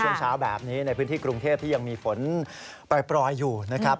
ช่วงเช้าแบบนี้ในพื้นที่กรุงเทพที่ยังมีฝนปล่อยอยู่นะครับ